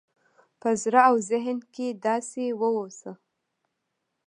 په زړه او ذهن کې داسې واوسه